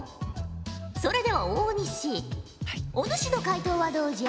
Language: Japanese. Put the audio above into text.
それでは大西お主の解答はどうじゃ？